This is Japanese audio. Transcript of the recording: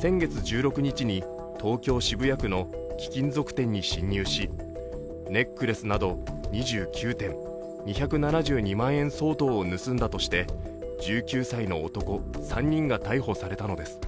先月１６日に東京・渋谷区の貴金属店に侵入しネックレスなど２９点２７２万円相当を盗んだとして１９歳の男３人が逮捕されたのです。